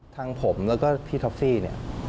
ทางผมแล้วก็พี่ท็อฟฟี่